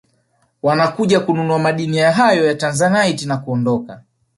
Wanakuja kununua madini hayo ya Tanzanite na kuondoka